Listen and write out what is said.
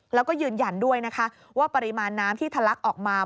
แล้วก็ยืนยันด้วยนะคะว่าปริมาณน้ำที่ทะลักออกมา